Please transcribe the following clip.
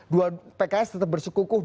dua pks tetap bersukukuh